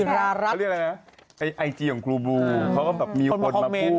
เขาเรียกอะไรนะไอจีของครูบูเขาก็แบบมีคนมาพูด